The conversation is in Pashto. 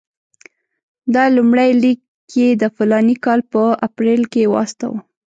دا لومړی لیک یې د فلاني کال په اپرېل کې واستاوه.